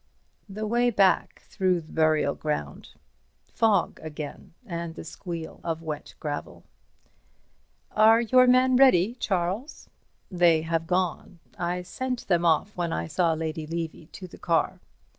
The way back through the burial ground. Fog again, and the squeal of wet gravel. "Are your men ready, Charles?" "They have gone. I sent them off when I saw Lady Levy to the car."